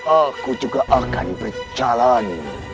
aku juga akan berjalan